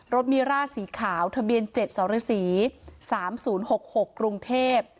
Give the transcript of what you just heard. รถมีร่าสีขาวทะเบียนเจ็ดสหรัฐศรีสามศูนย์หกหกกรุงเทพฯ